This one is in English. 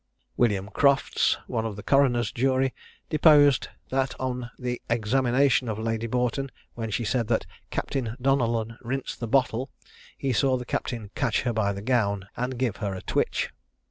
William Crofts, one of the coroner's jury, deposed, that on the examination of Lady Boughton, when she said that "Captain Donellan rinsed the bottle," he saw the captain catch her by the gown, and give her a twitch.